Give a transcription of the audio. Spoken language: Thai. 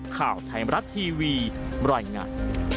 ข่าวไทยมรัฐทีวีบรรยายงาน